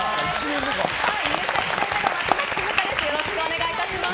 よろしくお願いします。